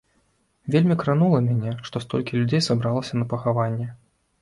Вельмі кранула мяне, што столькі людзей сабралася на пахаванне.